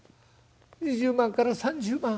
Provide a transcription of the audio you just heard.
２０万から３０万！